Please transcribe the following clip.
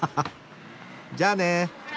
じゃあね。